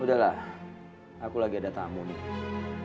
udahlah aku lagi ada tamu nih